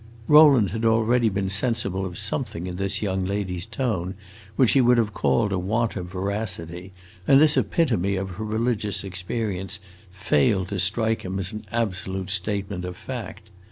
Rowland had already been sensible of something in this young lady's tone which he would have called a want of veracity, and this epitome of her religious experience failed to strike him as an absolute statement of fact.